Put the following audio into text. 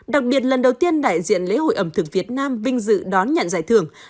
đặc biệt lần đầu tiên đại diện lễ hội ẩm thực việt nam vinh dự đón nhận giải thưởng